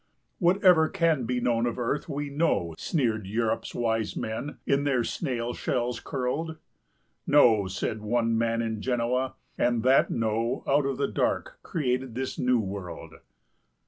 "] Whatever can be known of earth we know, Sneered Europe's wise men, in their snail shells curled; No! said one man in Genoa, and that No Out of the dark created this New World.